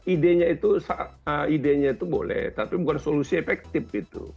ide nya itu ide nya itu boleh tapi bukan solusi efektif gitu